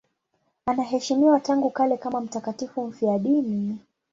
Anaheshimiwa tangu kale kama mtakatifu mfiadini.